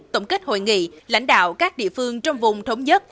tổng kết hội nghị lãnh đạo các địa phương trong vùng thống nhất